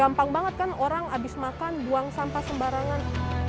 gampang banget kan orang habis makan buang sampah sembarangan